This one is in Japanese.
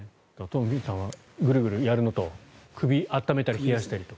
トンフィさんはグルグルやるのと首を温めたり冷やしたりと。